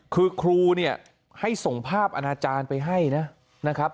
คือครูเนี่ยให้ส่งภาพอาณาจารย์ไปให้นะครับ